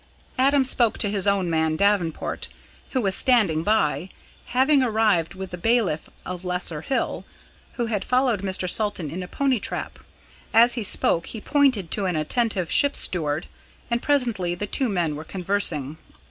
Adam spoke to his own man, Davenport, who was standing by, having arrived with the bailiff of Lesser Hill, who had followed Mr. Salton in a pony trap. As he spoke, he pointed to an attentive ship's steward, and presently the two men were conversing.